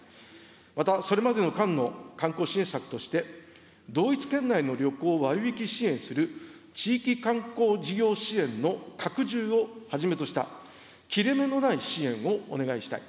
また、それまでの間の観光支援策として、同一県内の旅行を割引支援する地域観光事業支援の拡充をはじめとした切れ目のない支援をお願いしたい。